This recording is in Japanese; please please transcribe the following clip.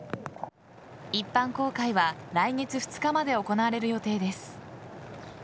一般公開は来月２日まで行われる予定です。